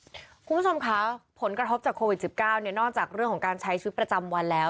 คุณผู้ชมคะผลกระทบจากโควิด๑๙เนี่ยนอกจากเรื่องของการใช้ชีวิตประจำวันแล้ว